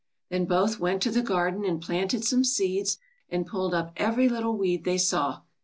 Then both went to the garden and planted some seeds and pulled up every little weed they saw.